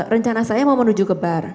rencana saya mau menuju ke bar